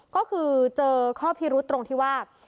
ก็คือเจอข้อพิรุษตรงที่ว่า